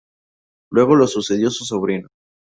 Luego lo sucedió su sobrino.